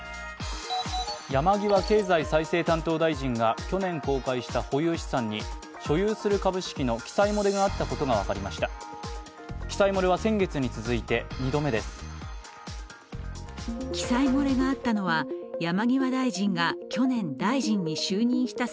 山際経済再生担当大臣が去年公開した保有資産に所有する株式の記載漏れがあったことが分かりました。